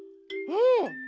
うん。